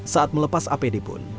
saat melepas apd pun